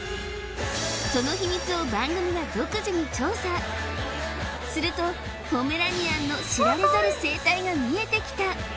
その秘密を番組が独自に調査するとポメラニアンの知られざる生態が見えてきた